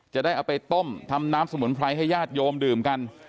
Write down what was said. จะได้เอาไปต้มทำน้ำสมุนไพรให้ญาติโยมดื่มกัน